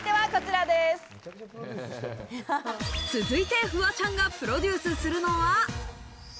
続いて、フワちゃんがプロデュースするのは。